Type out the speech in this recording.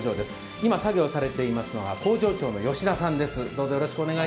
今、作業をされているのが工場長の吉田さんです。